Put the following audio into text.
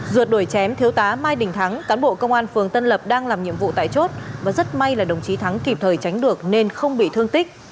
ruột đuổi chém thiếu tá mai đình thắng cán bộ công an phường tân lập đang làm nhiệm vụ tại chốt và rất may là đồng chí thắng kịp thời tránh được nên không bị thương tích